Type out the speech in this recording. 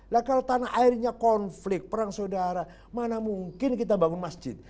lah kalau tanah airnya konflik perang saudara mana mungkin kita bangun masjid